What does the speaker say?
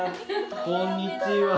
こんにちは。